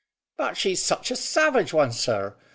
"But she's such a savage one, sir.